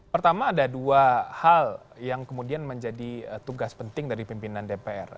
pertama ada dua hal yang kemudian menjadi tugas penting dari pimpinan dpr